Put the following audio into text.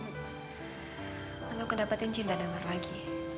untuk mendapatkan cinta damar lagi